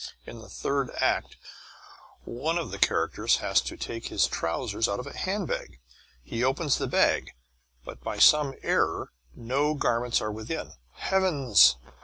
In the third act one of the characters has to take his trousers out of a handbag. He opens the bag, but by some error no garments are within. Heavens!